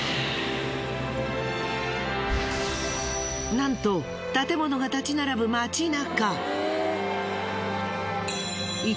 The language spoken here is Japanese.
なんと建物が立ち並ぶ街中。